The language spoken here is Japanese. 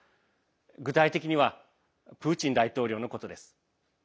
具体的にはプーチン大統領のことです。